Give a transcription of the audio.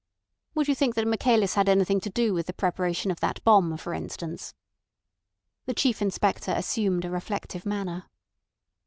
"Would you think that Michaelis had anything to do with the preparation of that bomb, for instance?" The Chief Inspector assumed a reflective manner.